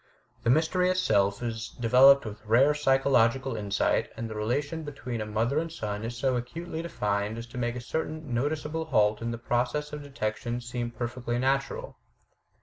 The mystery itself is developed with rare psychological insight, and the relation between a mother and son is so acutely defined as to make a certain noticeable halt in the process of detection seem perfectly natiural.